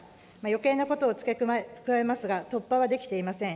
よけいなことを付け加えますが、突破はできていません。